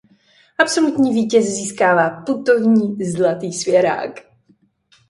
Absolutní vítěz získává putovní Zlatý svěrák.